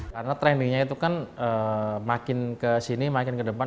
karena trendingnya itu kan makin ke sini makin ke depan